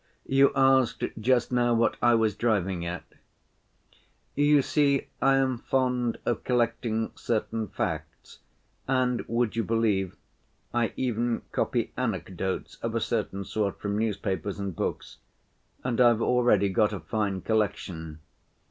You asked just now what I was driving at. You see, I am fond of collecting certain facts, and, would you believe, I even copy anecdotes of a certain sort from newspapers and books, and I've already got a fine collection.